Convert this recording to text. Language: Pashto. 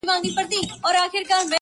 دا ئې اختر د چا کره ولاړ سو.